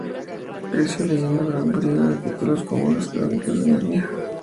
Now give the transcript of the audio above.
Creció leyendo gran variedad de títulos como "Las Crónicas de Narnia".